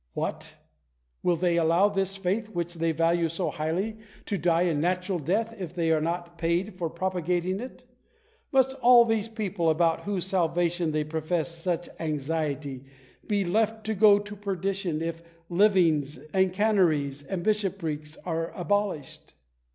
What ! will they allow this faith, which they value so highly, to die a natural death if they are not paid for propagating it ? Must all these people, about whose salvation they profess such anxiety, be left to go to perdi tion if livings, and canonries, and bishoprics, are abolished